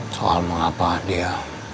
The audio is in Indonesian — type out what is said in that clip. soal mengapa dia